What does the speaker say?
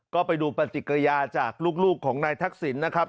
ก็ไปดูปฏิกิริยาจากลูกของนายทักษิณนะครับ